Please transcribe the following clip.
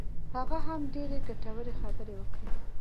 هغه هم ډېرې ګټورې خبرې وکړې.